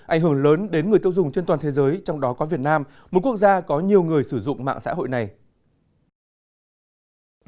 ảnh hưởng lớn đến người tiêu dùng trên toàn thế giới trong đó có việt nam một quốc gia có nhiều người sử dụng mạng xã hội này